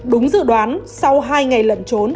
đúng dự đoán sau hai ngày lẩn trốn